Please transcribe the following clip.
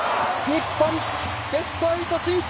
日本、ベストエイト進出。